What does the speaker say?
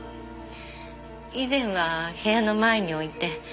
以前は部屋の前に置いて。